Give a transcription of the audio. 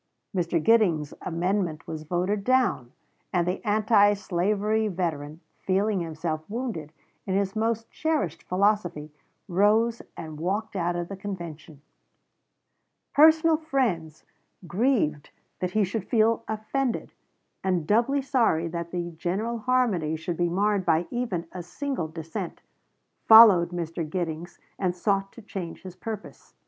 Mr. Giddings's amendment was voted down, and the anti slavery veteran, feeling himself wounded in his most cherished philosophy, rose and walked out of the convention. Murat Halstead, "Conventions of 1860," p. 138. Personal friends, grieved that he should feel offended, and doubly sorry that the general harmony should be marred by even a single dissent, followed Mr. Giddings, and sought to change his purpose.